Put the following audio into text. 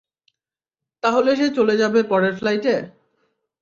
তাহলে সে চলে যাবে পরের ফ্লাইটে।